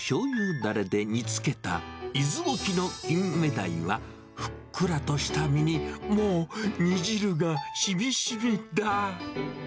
だれで煮つけた、伊豆沖のキンメダイはふっくらとした身にもう煮汁がしみしみだ。